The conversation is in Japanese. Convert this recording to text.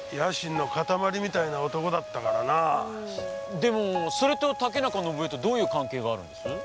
でもそれと竹中伸枝とどういう関係があるんです？